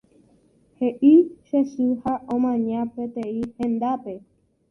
He'i che sy ha omaña peteĩ hendápe.